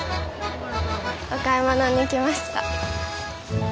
お買い物に来ました。